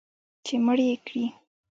چې مړ یې کړي